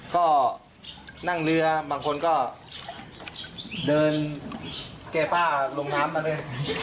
ก็นั่งเรือบางคนก็เดินแก้ผ้าลงน้ำมาเลย